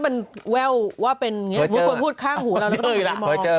แค่ว่าเป็นอย่างนี้มึงควรพูดข้างหูเราแล้วก็ต้องพูดมอง